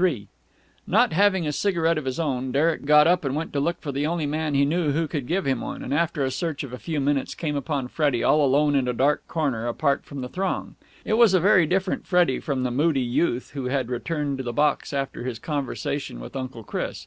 III Not having a cigarette of his own, Derek got up and went to look for the only man he knew who could give him one: and after a search of a few minutes came upon Freddie all alone in a dark corner, apart from the throng. It was a very different Freddie from the moody youth who had returned to the box after his conversation with Uncle Chris.